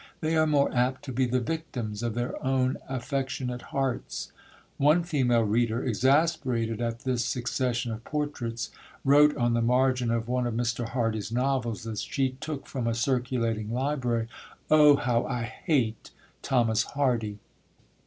They are more apt to be the victims of their own affectionate hearts. One female reader, exasperated at this succession of portraits, wrote on the margin of one of Mr. Hardy's novels that she took from a circulating library, "Oh, how I hate Thomas Hardy!"